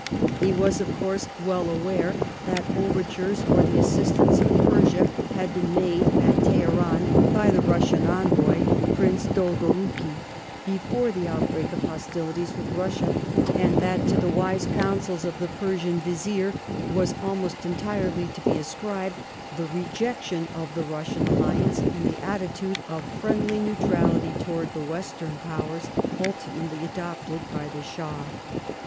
He was, of.^ course, well aware that overtures for the assistance of Persia had been made at Teheran by the Russian envoy, ' Prince Dolgorouki, before the outbreak of hostilities with Bussia, and that to the wise counsels of the Per sian Vizier was almost entirely to be ascribed the rejection of the Russian alliance and the attitude of friendly neutrality towards the Western Powers ulti ^mately adopted by the Shah.